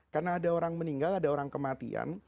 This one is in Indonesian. karena ada orang meninggal ada orang kematian